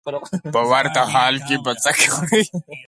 په ورته حال کې به څه کوې.